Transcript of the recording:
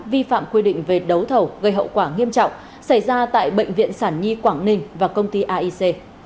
vi phạm quy định về đấu thầu gây hậu quả nghiêm trọng xảy ra tại bệnh viện sản nhi quảng ninh và công ty aic